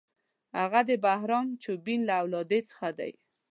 هغه د بهرام چوبین له اولادې څخه دی.